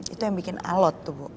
itu yang bikin alot tuh bu